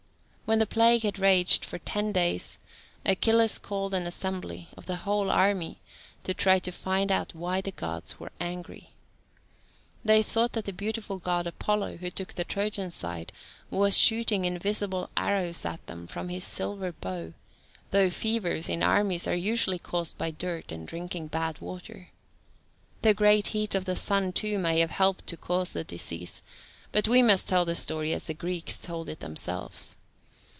When the plague had raged for ten days, Achilles called an assembly of the whole army, to try to find out why the Gods were angry. They thought that the beautiful God Apollo (who took the Trojan side) was shooting invisible arrows at them from his silver bow, though fevers in armies are usually caused by dirt and drinking bad water. The great heat of the sun, too, may have helped to cause the disease; but we must tell the story as the Greeks told it themselves.